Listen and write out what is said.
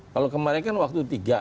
kalau kemarin kan waktu tiga